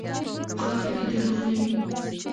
په خاوره کې دروغ نه وي.